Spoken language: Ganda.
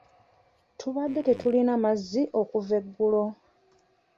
Tubadde tetulina mazzi okuva eggulo.